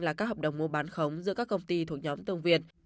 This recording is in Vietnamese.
là các hợp đồng mua bán khống giữa các công ty thuộc nhóm tôn việt